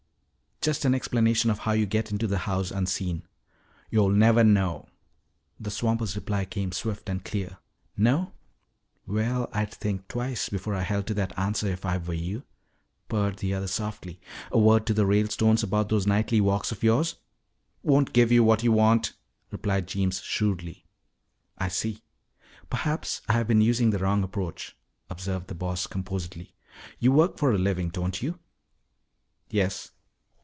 "Just an explanation of how you get into the house unseen." "Yo'll nevah know!" The swamper's reply came swift and clear. "No? Well, I'd think twice before I held to that answer if I were you," purred the other softly. "A word to the Ralestones about those nightly walks of yours " "Won't give yo' what yo' want," replied Jeems shrewdly. "I see. Perhaps I have been using the wrong approach," observed the Boss composedly. "You work for a living, don't you?" "Yes."